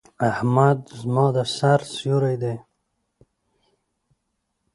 احمد زما د سر سيور دی.